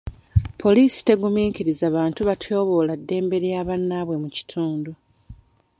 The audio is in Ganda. Poliisi tegumiikiriza bantu batyoboola eddembe lya bannabwe mu kitundu.